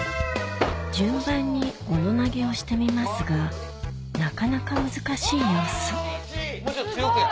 順番に斧投げをしてみますがなかなか難しい様子もうちょい強くや。